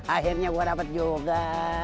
akhirnya gua dapet juga